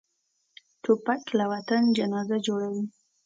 توپک له وطن جنازه جوړوي.